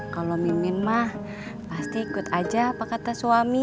kalau mimin mah pasti ikut aja pak kata suami